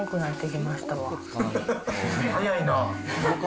早いな。